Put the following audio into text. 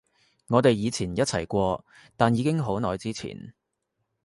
我哋以前一齊過，但已經好耐之前